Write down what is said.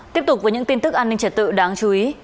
tiếp tục với những tin tức an ninh trật tự đáng chú ý